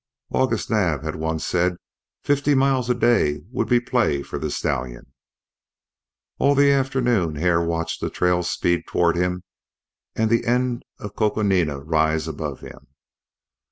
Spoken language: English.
August Naab had once said fifty miles a day would be play for the stallion. All the afternoon Hare watched the trail speed toward him and the end of Coconina rise above him.